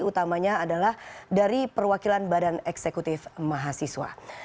utamanya adalah dari perwakilan badan eksekutif mahasiswa